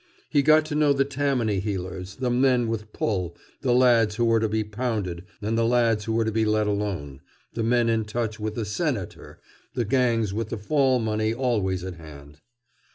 He got to know the Tammany heelers, the men with "pull," the lads who were to be "pounded" and the lads who were to be let alone, the men in touch with the "Senator," and the gangs with the fall money always at hand.